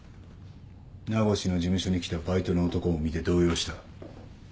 名越の事務所に来たバイトの男を見て動揺した。